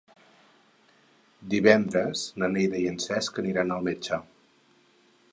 Divendres na Neida i en Cesc aniran al metge.